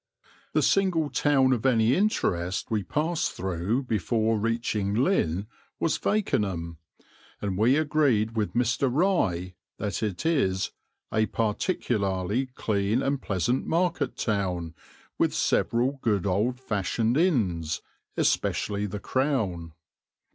The single town of any interest we passed through before reaching Lynn was Fakenham; and we agreed with Mr. Rye that it is "a particularly clean and pleasant market town, with several good old fashioned inns, especially the 'Crown.'"